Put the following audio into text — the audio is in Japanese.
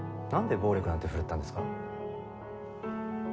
「なんで暴力なんて振るったんですか？」